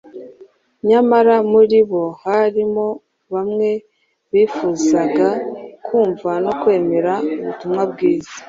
nyamara muri bo harimo bamwe bifuzaga kumva no kwemera ubutumwa bwiza.